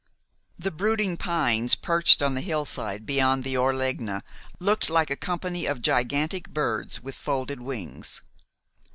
The brooding pines perched on the hillside beyond the Orlegna looked like a company of gigantic birds with folded wings.